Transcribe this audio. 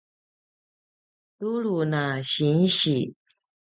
tulu na sinsi